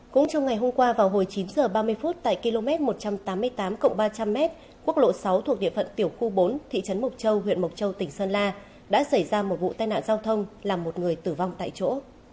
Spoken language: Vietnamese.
cũng trong ngày hôm qua vào hồi chín h ba mươi phút tại km một trăm tám mươi tám ba trăm linh m quốc lộ sáu thuộc địa phận tiểu khu bốn thị trấn mộc châu huyện mộc châu tỉnh sơn la đã xảy ra một vụ tai nạn giao thông làm một người tử vong tại chỗ